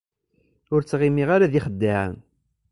Ur ttɣimiɣ ara d yixeddaɛen.